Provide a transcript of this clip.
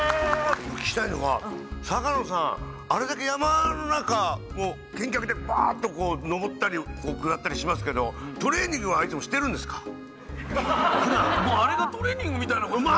お聞きしたいのが坂野さんあれだけ山の中を健脚でバーッとこう上ったり下ったりしますけどもうあれがトレーニングみたいなことじゃないの？